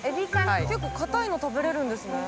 結構かたいの食べれるんですね。